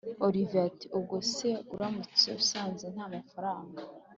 olivier ati”ubwo se uramutse usanze ntamafaranga